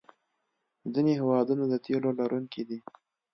ځینې هېوادونه د تیلو لرونکي دي.